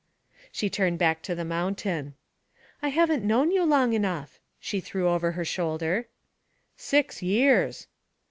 She turned back to the mountain. 'I haven't known you long enough,' she threw over her shoulder. 'Six years!'